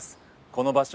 この場所